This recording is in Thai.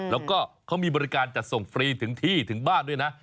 แล้วก็เขามีบริการจัดส่งฟรีถึงที่ถึงบ้านด้วยนะ